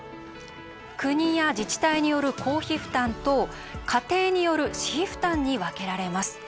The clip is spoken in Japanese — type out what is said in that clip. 国や自治体による公費負担と家庭による私費負担に分けられます。